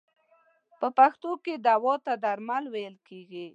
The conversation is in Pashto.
په پښتو کې دوا ته درمل ویل کیږی.